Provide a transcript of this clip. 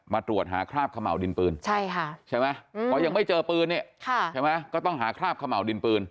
มาตรวจหาคราบขะเหมาดินปืนใช่ค่ะใช่ไหมก็ยังไม่เจอปืนเนี่ยใช่ไหมก็ต้องหาคราบขะเหมาดินปืน